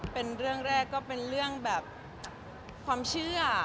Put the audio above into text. เป็นเรื่องแรกก็เป็นเรื่องแบบความเชื่อ